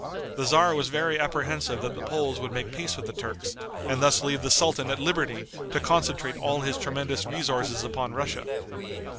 The tzar was very apprehensive that the Poles would make peace with the Turks, and thus leave the sultan at liberty to concentrate all his tremendous resources upon Russia.